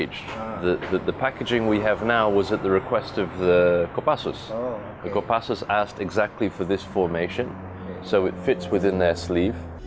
jadi ini bisa ditempatkan di dalam jari jari